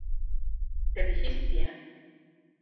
Te bihîstiye.